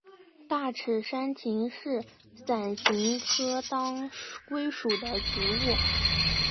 大齿山芹是伞形科当归属的植物。